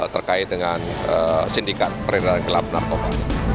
terkait dengan sindikat peredaran gelap narkoba